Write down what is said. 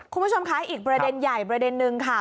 คุณผู้ชมคะอีกประเด็นใหญ่ประเด็นนึงค่ะ